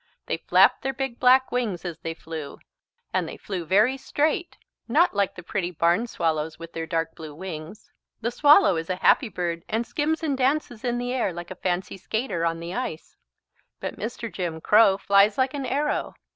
They flapped their big black wings as they flew. And they flew very straight, not like the pretty barn swallows with their dark blue wings. The swallow is a happy bird and skims and dances in the air like a fancy skater on the ice. But Mr. Jim Crow flies like an arrow.